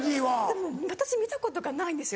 でも私見たことがないんですよ。